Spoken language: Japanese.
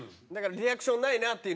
リアクションないなっていう。